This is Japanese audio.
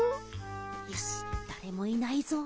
よしだれもいないぞ。